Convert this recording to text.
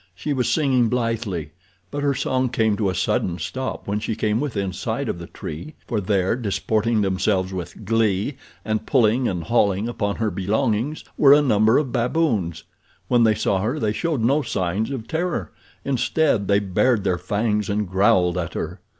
She was singing blithely; but her song came to a sudden stop when she came within sight of the tree, for there, disporting themselves with glee and pulling and hauling upon her belongings, were a number of baboons. When they saw her they showed no signs of terror. Instead they bared their fangs and growled at her.